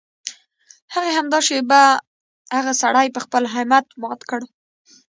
هغې همدا شېبه هغه سړی په خپل همت مات کړ.